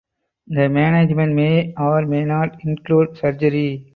The management may or may not include surgery.